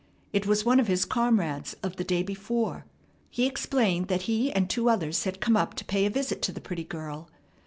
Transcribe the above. It was one of his comrades of the day before. He explained that he and two others had come up to pay a visit to the pretty girl.